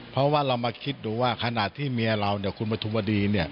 เพราะว่าเรามาคิดดูว่าขณะที่เมียเราคุณปฐุมวดี